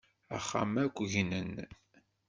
Axxam akk gnen.